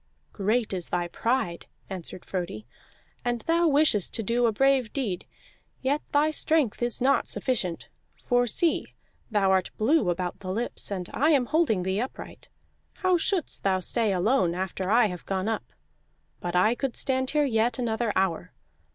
"Great is thy pride," answered Frodi, "and thou wishest to do a brave deed, yet thy strength is not sufficient. For see, thou art blue about the lips, and I am holding thee upright. How shouldst thou stay alone after I have gone up? But I could stand here yet another hour.